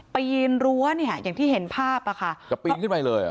ปีนรั้วอย่างที่เห็นภาพจะปีนขึ้นไปเลย